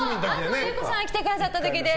安藤優子さん来てくださった時で。